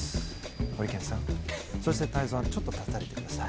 ホリケンさん、そして、泰造さん、ちょっと立ってください。